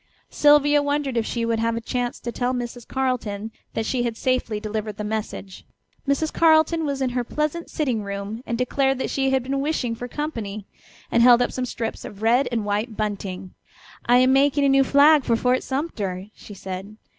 Sylvia wondered if she would have a chance to tell Mrs. Carleton that she had safely delivered the message. Mrs. Carleton was in her pleasant sitting room and declared that she had been wishing for company, and held up some strips of red and white bunting. "I am making a new flag for Fort Sumter," she said.